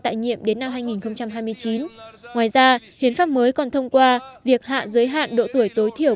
tại nhiệm đến năm hai nghìn hai mươi chín ngoài ra hiến pháp mới còn thông qua việc hạ giới hạn độ tuổi tối thiểu